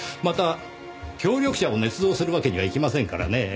また協力者をねつ造するわけにはいきませんからね